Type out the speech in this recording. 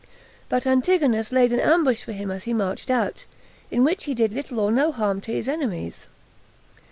But Antigonus laid an ambush for him as he marched out, in which he did little or no harm to his enemies.